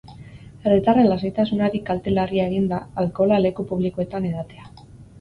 Herritarren lasaitasunari kalte larria eginda, alkohola leku publikoetan edatea.